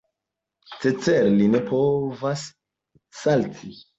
Cetere, li ne povas salti.